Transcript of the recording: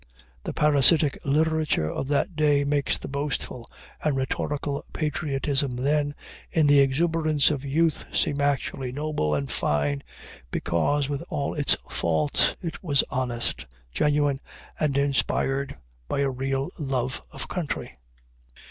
The parasitic literature of that day makes the boastful and rhetorical patriotism then in the exuberance of youth seem actually noble and fine, because, with all its faults, it was honest, genuine, and inspired by a real love of country.